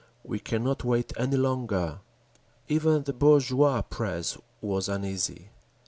…. We cannot wait any longer!" Even the bourgeois press was uneasy.